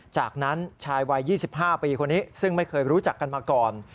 จากนั้นชายวัย๒๕ปีคนนี้ซึ่งไม่เคยรู้จักกันมาก่อน